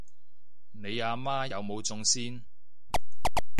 你阿媽有冇中先？